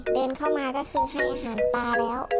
เดินเข้ามาก็คือให้อาหารปลาแล้ว